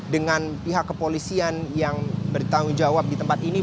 dengan pihak kepolisian yang bertanggung jawab di tempat ini